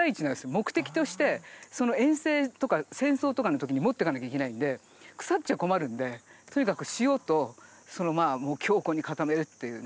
目的として遠征とか戦争とかの時に持っていかなきゃいけないんで腐っちゃ困るんでとにかく塩とそのまあ強固に固めるっていうね。